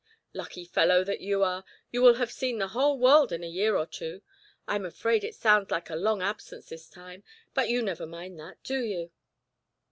"Lucky fellow that you are; you will have seen the whole world in a year or two. I'm afraid it sounds like a long absence this time, but you never mind that, do you?"